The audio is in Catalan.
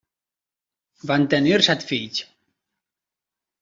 Van tenir set fills.